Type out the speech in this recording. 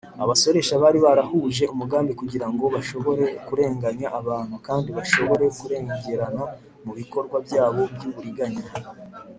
abasoresha bari barahuje umugambi kugira ngo bashobore kurenganya abantu, kandi bashobore kurengerana mu bikorwa byabo by’uburiganya